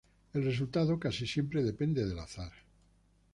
El resultado casi siempre depende del azar.